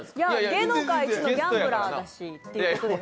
芸能界一のギャンブラーだしということで。